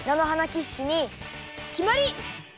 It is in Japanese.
キッシュにきまり！